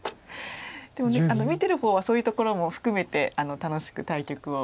でもね見てる方はそういうところも含めて楽しく対局を。